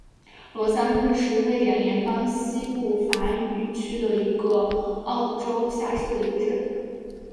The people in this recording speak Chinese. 罗桑日是瑞士联邦西部法语区的沃州下设的一个镇。